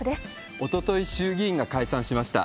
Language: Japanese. おととい、衆議院が解散しました。